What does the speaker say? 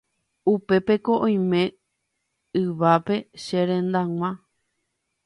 upépeko oime yvápe che rendag̃ua.